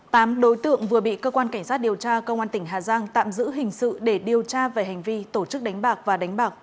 tám đối tượng vừa bị cơ quan cảnh sát điều tra công an tỉnh hà giang tạm giữ hình sự để điều tra về hành vi tổ chức đánh bạc và đánh bạc